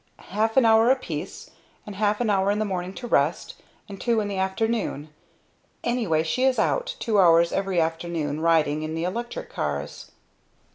"Half an hour apiece, and half an hour in the morning to rest and two in the afternoon. Anyway she is out, two hours every afternoon, riding in the electric cars!"